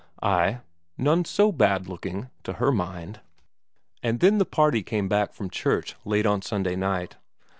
Ay, none so bad looking to her mind! And then the party came back from church late on Sunday night.